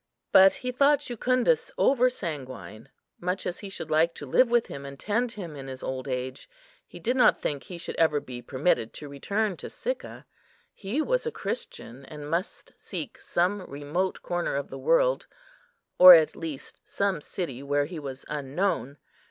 But he thought Jucundus over sanguine; much as he should like to live with him and tend him in his old age, he did not think he should ever be permitted to return to Sicca. He was a Christian, and must seek some remote corner of the world, or at least some city where he was unknown.